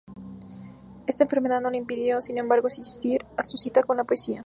Esta enfermedad no le impidió, sin embargo, asistir a su cita con la poesía.